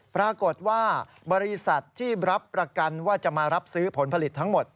ปรากฏว่าบริษัทที่รับประกันว่าจะมารับซื้อผลผลิตทั้งหมด